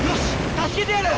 助けてやる！